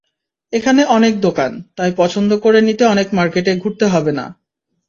এখানে অনেক দোকান, তাই পছন্দ করে নিতে অনেক মার্কেটে ঘুরতে হবে না।